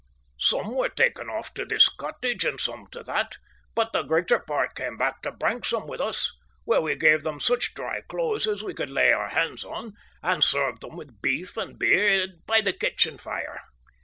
Some were taken off to this cottage and some to that, but the greater part came back to Branksome with us, where we gave them such dry clothes as we could lay our hands on, and served them with beef and beer by the kitchen fire.